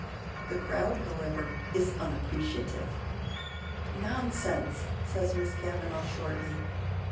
The crowd, however, is unappreciative. "Nonsense!" says Miss Kavanagh shortly.